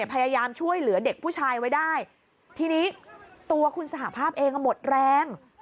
พยายามช่วยเหลือเด็กผู้ชายไว้ได้ทีนี้ตัวคุณสหภาพเองหมดแรง